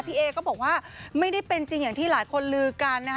พี่เอก็บอกว่าไม่ได้เป็นจริงอย่างที่หลายคนลือกันนะคะ